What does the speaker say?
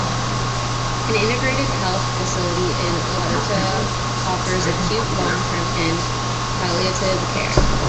An integrated health facility in Wawota offers acute, long-term and palliative care.